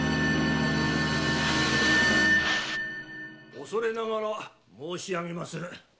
おそれながら申し上げまする。